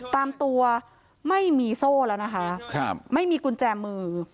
ตามตัวไม่มีโซ่แล้วนะคะไม่มีกุญแจมือ